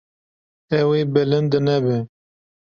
Ew ê bilind nebe.